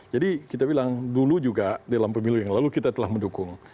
jadi kita bilang dulu juga dalam pemilu yang lalu kita telah mendukung